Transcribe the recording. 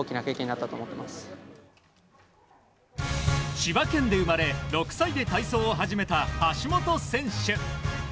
千葉県で生まれ６歳で体操を始めた橋本選手。